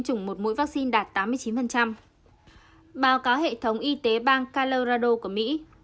chủng một mũi vắc xin đạt tám mươi chín báo cáo hệ thống y tế bang colorado của mỹ